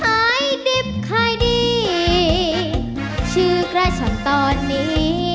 ขายดิบขายดีชื่อกระฉันตอนนี้